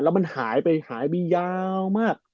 แล้วมันหายไปยาวมาก